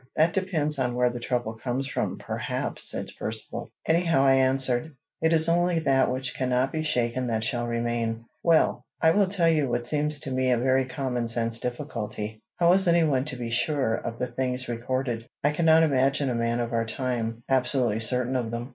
"That depends on where the trouble comes from, perhaps," said Percivale. "Anyhow," I answered, "it is only that which cannot be shaken that shall remain." "Well, I will tell you what seems to me a very common sense difficulty. How is any one to be sure of the things recorded? I cannot imagine a man of our time absolutely certain of them.